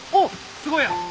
すごいやろ？